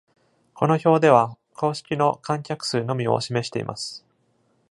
この表では公式の観客数のみを示しています。